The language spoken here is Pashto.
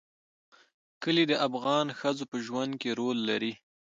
کلي د افغان ښځو په ژوند کې رول لري.